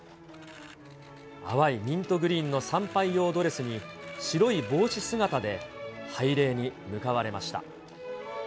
淡いミントグリーンの参拝用ドレスに白い帽子姿で拝礼に向かわれました。